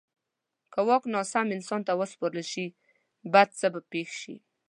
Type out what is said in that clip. که واک ناسم انسان ته وسپارل شي، بد څه به پېښ شي.